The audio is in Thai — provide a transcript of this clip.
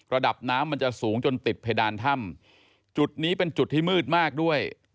ระดับน้ำมันจะสูงจนติดเพดานถ้ำจุดนี้เป็นจุดที่มืดมากด้วย